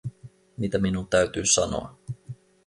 Mitä minun täytyy sanoa?